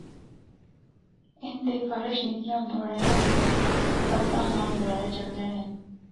ان دے فرش نکیاں یا بڑیاں پتھراں نال بنڑائے جلدے ہن۔